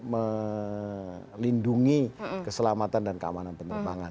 melindungi keselamatan dan keamanan penerbangan